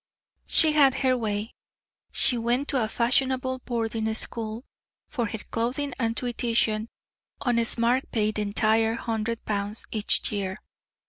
She had her way; she went to a fashionable boarding school. For her clothing and tuition honest Mark paid the entire hundred pounds each year.